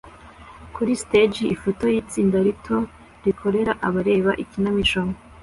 Kuri stage ifoto yitsinda rito rikorera abareba ikinamico